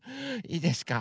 いいですか？